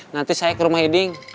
nanti saya ke rumah eding